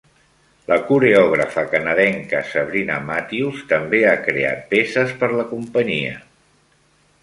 La coreògrafa canadenca Sabrina Matthews també ha creat peces per la companyia.